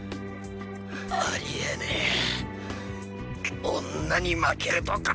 ありえねえ女に負けるとか